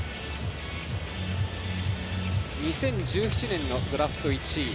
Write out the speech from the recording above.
２０１７年のドラフト１位。